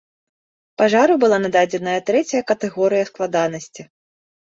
Пажару была нададзеная трэцяя катэгорыя складанасці.